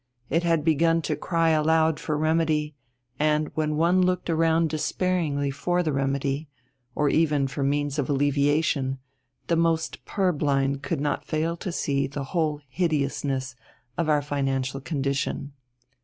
It had begun to cry aloud for remedy, and, when one looked around despairingly for the remedy, or even for means of alleviation, the most purblind could not fail to see the whole hideousness of our financial condition.